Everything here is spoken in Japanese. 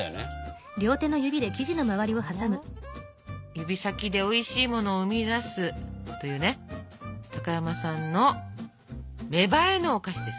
指先でおいしいものを生み出すというね高山さんの芽生えのお菓子ですから。